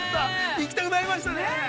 行きたくなりましたね。